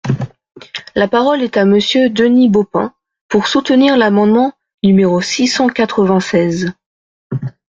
La parole est à Monsieur Denis Baupin, pour soutenir l’amendement numéro six cent quatre-vingt-seize.